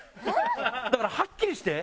だからはっきりして。